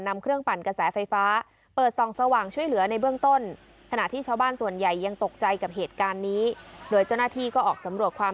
นำเครื่องปั่นกระแสไฟฟ้า